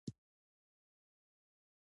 خو ماته د کار په بدل کې پنځوس افغانۍ راکوي